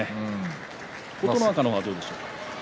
琴ノ若の方はどうでしょうか。